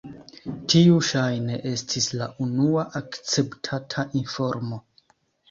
Tiu ŝajne estis la unua akceptata informo.